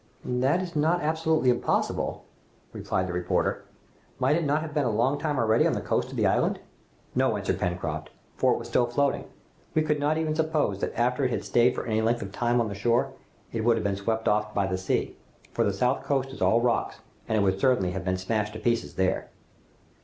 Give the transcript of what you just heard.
"That is not absolutely impossible," replied the reporter. "Might it not have been a long time already on the coast of the island?" "No," answered Pencroft, "for it was still floating. We could not even suppose that after it had stayed for any length of time on the shore, it would have been swept off by the sea, for the south coast is all rocks, and it would certainly have been smashed to pieces there!"